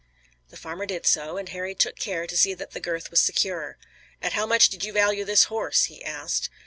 The farmer did so, and Harry took care to see that the girth was secure. "At how much did you value this horse?" he asked.